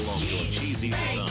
チーズ！